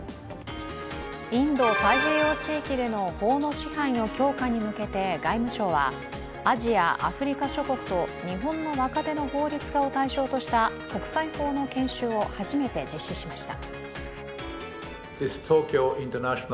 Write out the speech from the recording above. インド太平洋地域での法の支配の強化に向けて外務省はアジア、アフリカ諸国と日本の若手の法律家を対象とした国際法の研修を始めて実施しました。